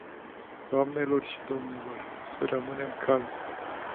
Doamnelor și domnilor, să rămânem calmi.